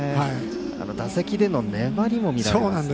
打席での粘りも見えるんですね。